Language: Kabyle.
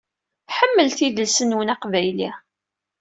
Ḥemmlet idles-nwen aqbayli.